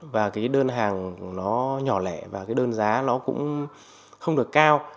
và cái đơn hàng nó nhỏ lẻ và cái đơn giá nó cũng không được cao